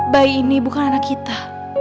bayi ini bukan anak kita